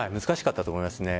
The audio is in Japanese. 難しかったと思います。